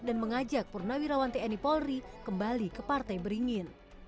dan mengajak purnawirawan tni polri kembali ke partai beringin